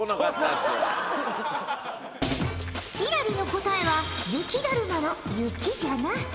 輝星の答えは雪だるまの「雪」じゃな。